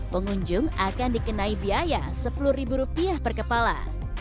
pengunjung akan dikenai biaya sepuluh rupiah per kepala